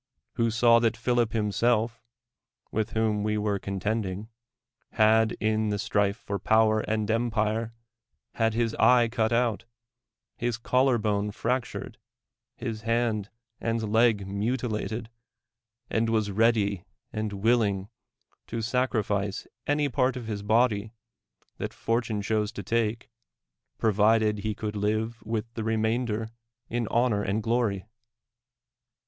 — who saw that Philip hi^iiself, with whom we were ccmtending, had, in the strife for power and empirr\ had his eye cut out, his collar bone fractured, his hand and leg mutilated, and was ready and willing to sacrifice any part of his body that fortune chose to take, provided he could live with iho remainder in honor and glory?